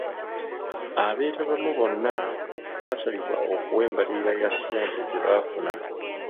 Abeetabamu bonna baasabibwa okuwa embalirira ya ssente ze baafuna.